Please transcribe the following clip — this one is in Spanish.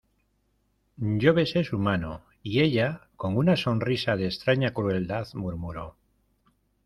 yo besé su mano, y ella , con una sonrisa de extraña crueldad , murmuró: